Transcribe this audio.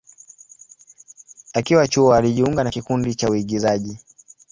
Akiwa chuo, alijiunga na kikundi cha uigizaji.